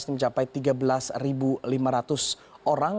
mencapai tiga belas lima ratus orang